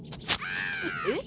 えっ？